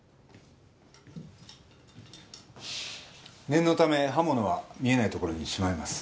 念のため刃物は見えないところにしまいます。